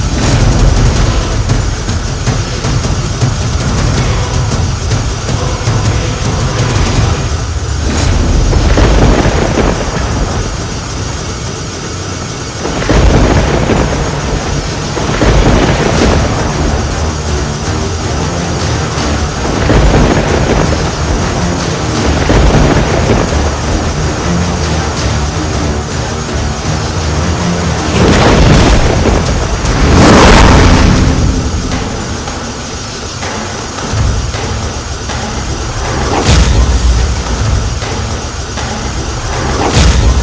jangan bercepat curah